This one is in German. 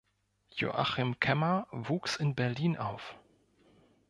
Joachim Kemmer wuchs in Berlin auf.